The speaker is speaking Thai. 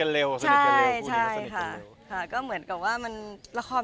ในจอสนิทกันเร็ว